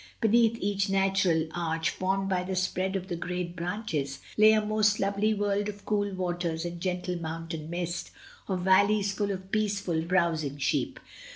Beneath each natural arch formed by the spread of the great branches, lay a most lovely world of cool waters and gentle mountain mist, of valleys full of peaceful, browsing sheep.